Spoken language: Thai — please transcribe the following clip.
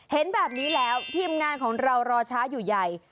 เห็นแบบนี้แล้วทีมงานของเรารอช้าอยู่ใหญ่